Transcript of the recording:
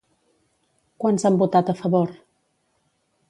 Quants han votat a favor?